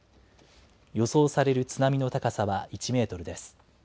予想される津波の高さは１メートルです。